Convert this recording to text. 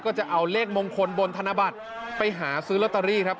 ก็จะเอาเลขมงคลบนธนบัตรไปหาซื้อลอตเตอรี่ครับ